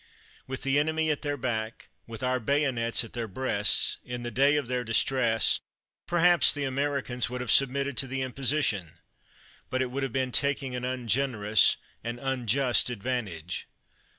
"With the enemy at their back, with our bayonets at their breasts, in the day of their distress, perhaps the Americans would have submitted to the imposition; but it would have been taking an ungenerous, an un just advantage.